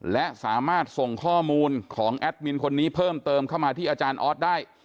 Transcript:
และสามารถส่งข้อมูลของแอดมินคนนี้เพิ่มเติมเข้ามาที่อาจารย์ออสได้